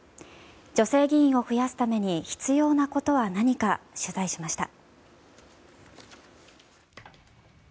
女性議員を増やすために必要なことは何か取材しました。